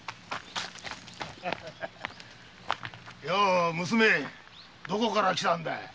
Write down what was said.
よう娘どこから来たんだ？